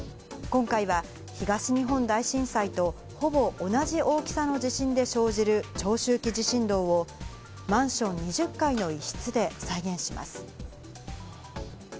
今回は東日本大震災とほぼ同じ大きさの地震で生じる長周期地震動を、マンション２０階の一室で再現します。